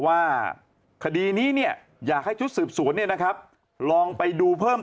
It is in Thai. ว่าคดีนี้เนี่ยอยากให้ชุดสืบสวนเนี่ยนะครับลองไปดูเพิ่ม